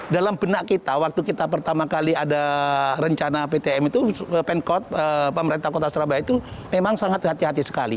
dalam benak kita waktu kita pertama kali ada rencana ptm itu pet pemerintah kota surabaya itu memang sangat hati hati sekali